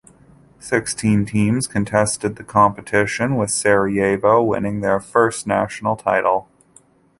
Sixteen teams contested the competition, with Sarajevo winning their first national title.